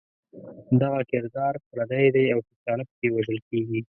دغه کردار پردی دی او پښتانه پکې وژل کېږي.